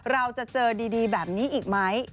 เราจะเจอดีแบบนี้อีกไหม